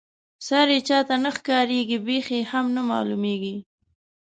سر یې چاته نه ښکاريږي بېخ یې هم نه معلومیږي.